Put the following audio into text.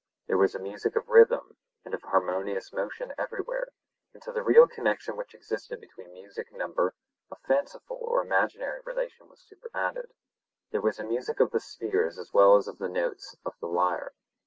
There was a music of rhythm and of harmonious motion everywhere; and to the real connexion which existed between music and number, a fanciful or imaginary relation was superadded. There was a music of the spheres as well as of the notes of the lyre.